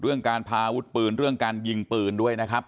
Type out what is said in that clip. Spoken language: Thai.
เรื่องการพาวุดปืนเรื่องการยิงปืนด้วยนะครับ